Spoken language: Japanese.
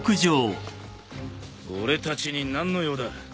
俺たちに何の用だ？